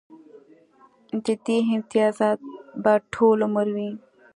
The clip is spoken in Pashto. د دې امتیازات به ټول عمر وي